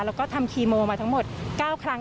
แล้วก็ทำคีโมมาทั้งหมด๙ครั้ง